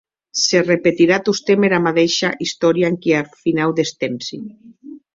Se repetirà tostemp era madeisha istòria enquiath finau des tempsi.